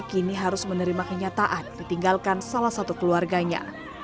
kini harus menerima kenyataan ditinggalkan salah satu keluarganya